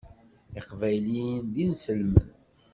Iqbayliyen d inselmen.